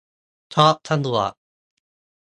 ช็อปสะดวก